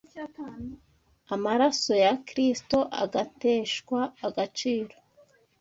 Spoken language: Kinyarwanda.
amaraso ya Kristo agateshwa agaciro